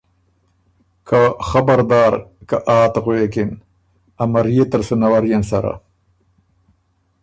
که خبردار! که ”آ“ ت غوېکِن، ا مريې تل بُو نَوَريېن سره